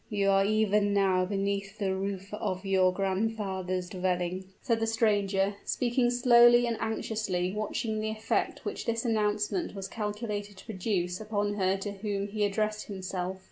"You are even now beneath the roof of your grandfather's dwelling," said the stranger, speaking slowly and anxiously watching the effect which this announcement was calculated to produce upon her to whom he addressed himself.